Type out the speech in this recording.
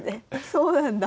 そうなんだ。